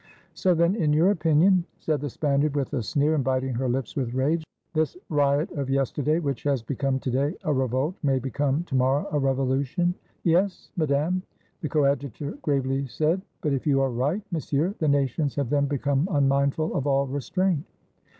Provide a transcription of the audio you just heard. "So then, in your opinion," said the Spaniard, with a sneer, and biting her lips with rage, "this riot of yester day, which has become to day a revolt, may become to morrow a revolution?" "Yes, Madame," the Coadjutor gravely said. "But if you are right, Monsieur, the nations have then become unmindful of all restraint."